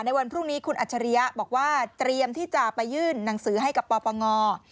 วันพรุ่งนี้คุณอัจฉริยะบอกว่าเตรียมที่จะไปยื่นหนังสือให้กับปปง